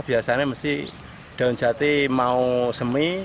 biasanya mesti daun jati mau semi